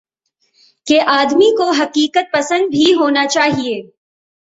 کہ آدمی کو حقیقت پسند بھی ہونا چاہیے۔